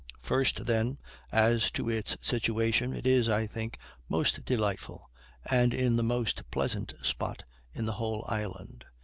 First, then, as to its situation, it is, I think, most delightful, and in the most pleasant spot in the whole island.